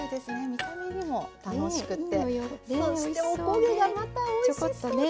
見た目にも楽しくてそしてお焦げがまたおいしそうですね。